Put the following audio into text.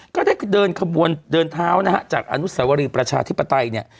ก็ได้เดินขบวนเดินเท้านะฮะจากอนุสวรีประชาธิปไตยเนี่ย